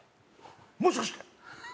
もしかして。